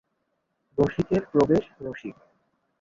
রসিকের প্রবেশ রসিক।